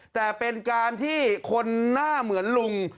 แต่เป็นการที่คนหน้าเหมือนลุง